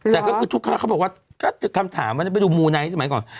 แต่ทุกคนเขาบอกว่าคำถามว่าไปดูมูลไนท์สมัยก่อน